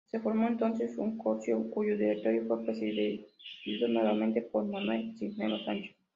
Se formó entonces un consorcio cuyo directorio fue presidido nuevamente por Manuel Cisneros Sánchez.